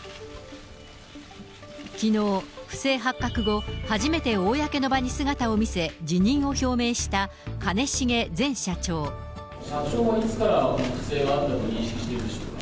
きのう、不正発覚後初めて公の場に姿を見せ、社長はいつから不正があったと認識しているのでしょうか。